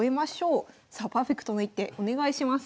さあパーフェクトな一手お願いします。